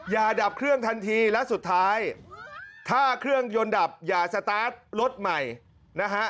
อย่าดับเครื่องทันทีและสุดท้ายถ้าเครื่องยนต์ดับอย่าสตาร์ทรถใหม่นะฮะ